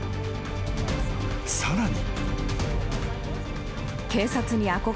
［さらに］